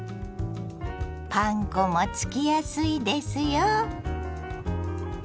パン粉もつきやすいですよ。